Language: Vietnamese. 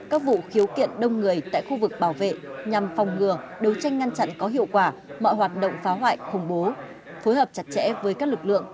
các vụ khiếu kiện đông người tại khu vực bảo vệ nhằm phòng ngừa đấu tranh ngăn chặn có hiệu quả mọi hoạt động phá hoại khủng bố phối hợp chặt chẽ với các lực lượng